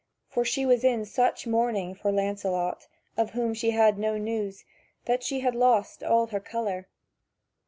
For she was in such mourning for Lancelot, of whom she had no news, that she had lost all her colour.